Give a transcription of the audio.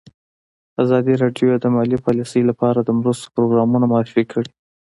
ازادي راډیو د مالي پالیسي لپاره د مرستو پروګرامونه معرفي کړي.